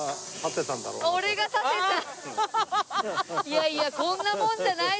いやいやこんなもんじゃないですよ